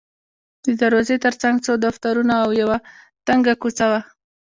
د دروازې ترڅنګ څو دفترونه او یوه تنګه کوڅه وه.